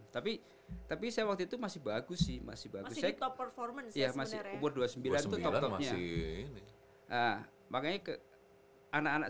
masih bagus sih masih bagus ya masih top performance ya masih umur dua puluh sembilan itu topnya makanya ke anak anak